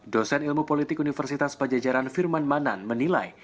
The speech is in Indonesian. dosen ilmu politik universitas pajajaran firman manan menilai